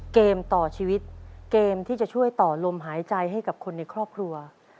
เกมต่อชีวิตเกมที่จะช่วยต่อลมหายใจให้กับคนในครอบครัว